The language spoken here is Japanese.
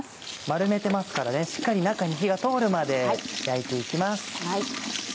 丸めてますからねしっかり中に火が通るまで焼いて行きます。